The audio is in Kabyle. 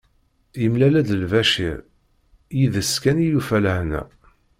Yemlal-d Lbacir, yid-s kan i yufa lehna.